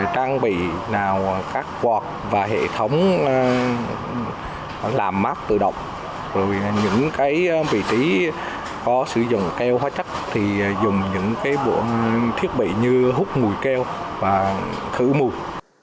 trang bị nào các quạt và hệ thống làm mát tự động rồi những cái vị trí có sử dụng keo hóa chất thì dùng những cái bộ thiết bị như hút mùi keo và khử mùi